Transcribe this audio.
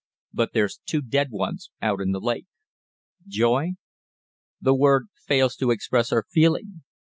But there's two dead ones out in the lake." Joy? the word fails to express our feeling.